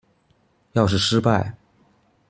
要是失敗